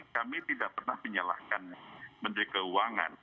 kami tidak pernah menyalahkan menteri keuangan